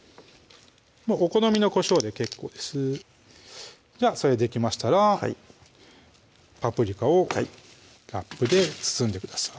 お好みのこしょうで結構ですではそれできましたらパプリカをラップで包んでください